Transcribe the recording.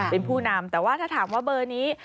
เป็นผู้นำแต่ว่าถ้าถามว่าเบอร์นี้